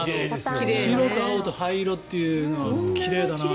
白と青と灰色というのは奇麗だな。